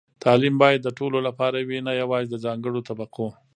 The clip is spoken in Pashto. تعلیم باید د ټولو لپاره وي، نه یوازې د ځانګړو طبقو.